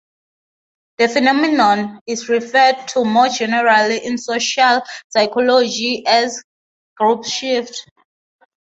This phenomenon is referred to more generally in social psychology as groupshift.